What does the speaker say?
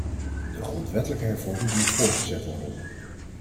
De grondwettelijke hervorming moet voortgezet worden.